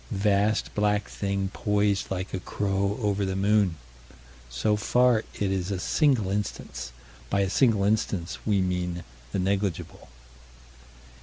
Vast black thing poised like a crow over the moon. So far it is a single instance. By a single instance, we mean the negligible.